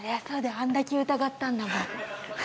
あんだけ疑ったんだもん